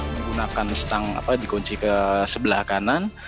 menggunakan stang apa dikunci ke sebelah kanan